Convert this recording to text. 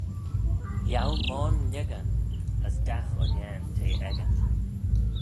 Yiow moyrn lhieggey, as dagh unnane t'eh echey